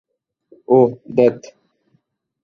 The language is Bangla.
ওউ, ধ্যাৎ।